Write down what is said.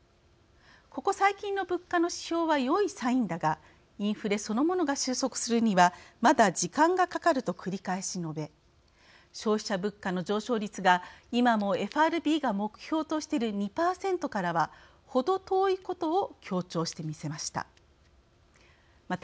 「ここ最近の物価の指標はよいサインだがインフレそのものが収束するにはまだ、時間がかかる」と繰り返し述べ消費者物価の上昇率が今もＦＲＢが目標としている２％からは程遠いことを強調してみせました。